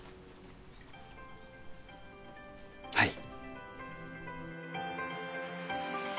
はい。